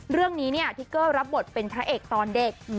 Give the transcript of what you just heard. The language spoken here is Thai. เรื่องนี้เนี่ยทิเกอร์รับบทเป็นพระเอกตอนเด็ก